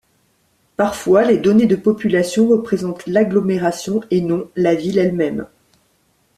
Parfois, les données de population représentent l'agglomération et non la ville-même.